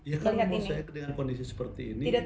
ya kalau saya dengan kondisi seperti ini